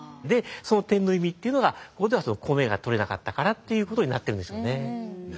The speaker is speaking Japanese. でその点の意味っていうのがここでは米が取れなかったからっていうことになってるんでしょうね。